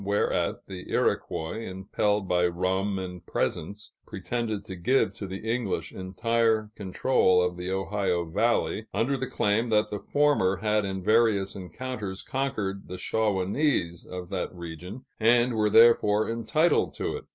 whereat the Iroquois, impelled by rum and presents, pretended to give to the English entire control of the Ohio Valley, under the claim that the former had in various encounters conquered the Shawanese of that region and were therefore entitled to it.